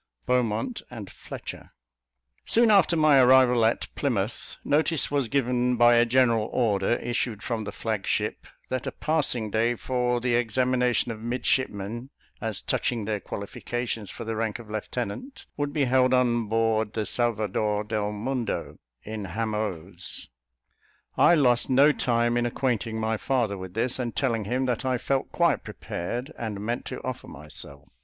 BEAUMONT AND FLETCHER. Soon after my arrival at Plymouth, notice was given by a general order, issued from the flag ship, that a passing day for the examination of midshipmen, as touching their qualifications for the rank of lieutenant, would be held on board the Salvador del Mundo, in Hamoaze. I lost no time in acquainting my father with this, and telling him that I felt quite prepared, and meant to offer myself.